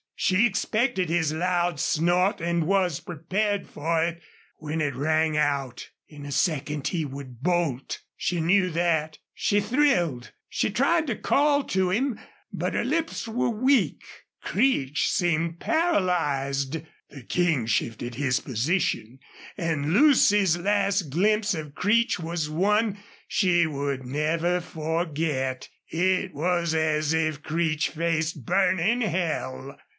She expected his loud snort, and was prepared for it when it rang out. In a second he would bolt. She knew that. She thrilled. She tried to call to him, but her lips were weak. Creech seemed paralyzed. The King shifted his position, and Lucy's last glimpse of Creech was one she would never forget. It was as if Creech faced burning hell!